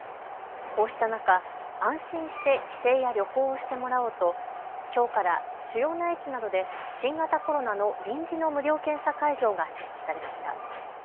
こうした中、安心して帰省や旅行をしてもらおうときょうから主要な駅などで新型コロナの臨時の無料検査会場が設置されました。